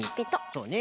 そうね。